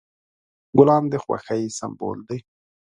ګلان د خوښۍ سمبول دي.